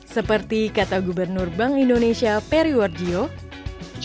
seperti kata gubernur bank indonesia perry wardjoe